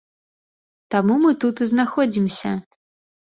Таму мы тут і знаходзімся.